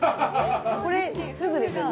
これふぐですよね？